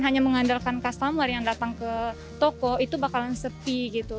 hanya mengandalkan customer yang datang ke toko itu bakalan sepi gitu